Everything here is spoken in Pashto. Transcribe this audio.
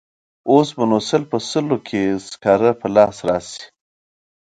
اوس به نو سل په سلو کې سکاره په لاس راشي.